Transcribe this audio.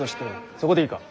そこでいいか？